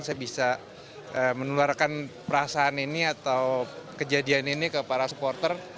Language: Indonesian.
saya bisa menularkan perasaan ini atau kejadian ini ke para supporter